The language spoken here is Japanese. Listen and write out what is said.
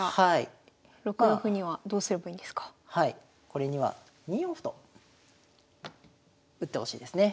これには２四歩と打ってほしいですね。